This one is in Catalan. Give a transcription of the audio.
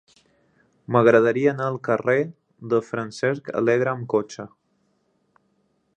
M'agradaria anar al carrer de Francesc Alegre amb cotxe.